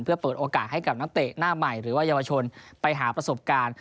เพื่อเปิดโอกาสให้กับนักเตะหน้าใหม่หรือว่าเยาวชนไปหาประสบการณ์